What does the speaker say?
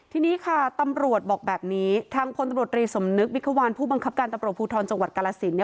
ทีนี้ค่ะตำรวจบอกแบบนี้ทางพลตำรวจรีสมนึกมิควันผู้บังคับการตำรวจภูทรจังหวัดกาลสิน